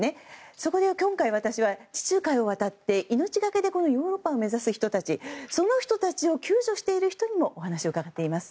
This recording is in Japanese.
そこで今回、私は地中海を渡って命がけでヨーロッパを目指す人たちその人たちを救助している人にもお話を伺っています。